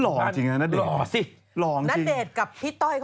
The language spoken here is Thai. หล่องจริงนะนั่นแต่พี่ต้อย